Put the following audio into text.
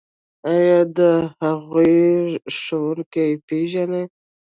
ایا د هغوی ښوونکي پیژنئ؟